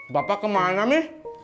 bapak kemana mi